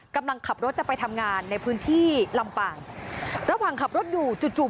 กำลังขับรถจะไปทำงานในพื้นที่ลำปางระหว่างขับรถอยู่จู่จู่